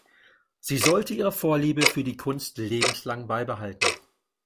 Sie sollte ihre Vorliebe für die Kunst lebenslang beibehalten.